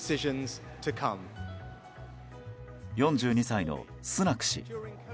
４２歳のスナク氏。